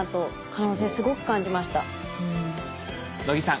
能木さん